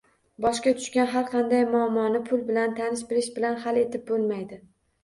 Boshga tushgan har qanday muammoni pul bilan, tanish-bilish bilan hal etib bo‘lmaydi.